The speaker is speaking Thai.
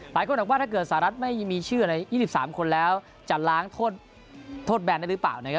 หลายคนบอกว่าถ้าเกิดสหรัฐไม่มีชื่อใน๒๓คนแล้วจะล้างโทษแบนได้หรือเปล่านะครับ